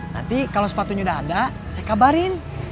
nanti kalau sepatunya udah ada saya kabarin